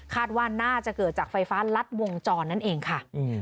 ว่าน่าจะเกิดจากไฟฟ้ารัดวงจรนั่นเองค่ะ